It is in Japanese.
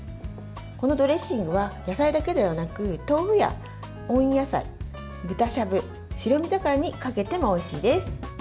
このドレッシングは野菜だけではなく豆腐や温野菜豚しゃぶ、白身魚にかけてもおいしいです。